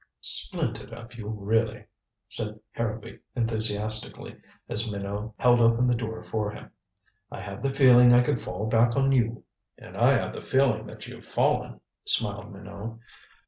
"Splendid of you, really," said Harrowby enthusiastically, as Minot held open the door for him. "I had the feeling I could fall back on you." "And I have the feeling that you've fallen," smiled Minot.